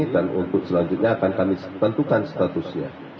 dan untuk selanjutnya akan kami tentukan statusnya